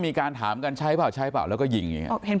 มีการถามกันใช้ป่าวใช้ป่าวแล้วก็ยิงอย่างเงี้ยเห็น